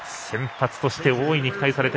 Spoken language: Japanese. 先発として大いに期待。